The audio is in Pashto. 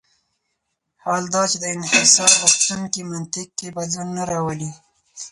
حال دا چې په انحصارغوښتونکي منطق کې بدلون نه راولي.